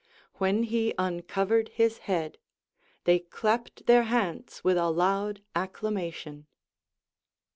When he uncovered his head, they clapped their hands with a loud acclamation.